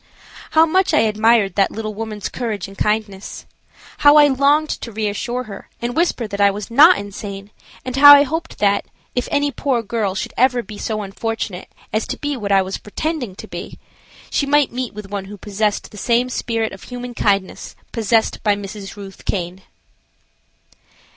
How much I admired that little woman's courage and kindness. How I longed to reassure her and whisper that I was not insane, and how I hoped that, if any poor girl should ever be so unfortunate as to be what I was pretending to be, she might meet with one who possessed the same spirit of human kindness possessed by Mrs. Ruth Caine.